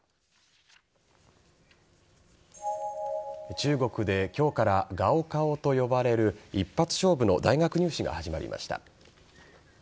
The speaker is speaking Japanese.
中国で今日から高考と呼ばれる一発勝負の大学入試が始まりました。